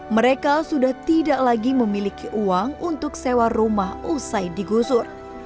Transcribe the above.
mereka sudah tidak lagi memiliki uang untuk sewa rumah usai digusur